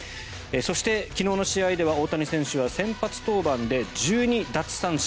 そして、昨日の試合では大谷選手は先発登板で１２奪三振。